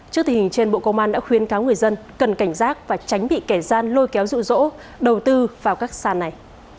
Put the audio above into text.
trước tình hình trên bộ công an đã khuyên các người dân cần cảnh giác và tránh bị kẻ gian lôi kéo dụ dỗ đầu tư vào các sàn này